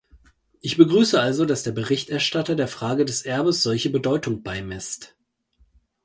Ich begrüße also, dass der Berichterstatter der Frage des Erbes solche Bedeutung beimisst.